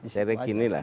saya kira gini lah